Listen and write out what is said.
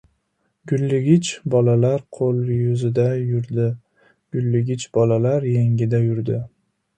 Gulligich bolalar qo‘l-yuzida yurdi, gulligich bolalar yengida yurdi.